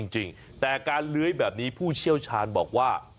จริงแต่การเลื้อยแบบนี้ผู้เชี่ยวชาญบอกว่า